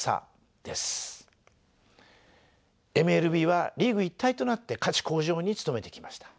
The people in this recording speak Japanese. ＭＬＢはリーグ一体となって価値向上に努めてきました。